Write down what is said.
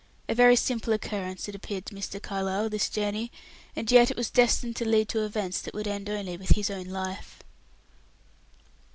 A very simple occurrence it appeared to Mr. Carlyle, this journey, and yet it was destined to lead to events that would end only with his own life.